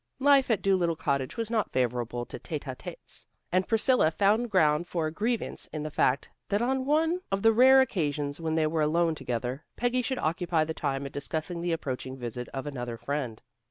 Life at Dolittle Cottage was not favorable to tête à têtes, and Priscilla found ground for a grievance in the fact that on one of the rare occasions when they were alone together, Peggy should occupy the time in discussing the approaching visit of another friend.